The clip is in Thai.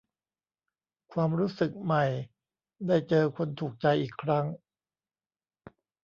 ความรู้สึกใหม่ ได้เจอคนถูกใจอีกครั้ง